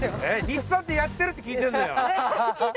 日産ってやってるって聞いてんのよ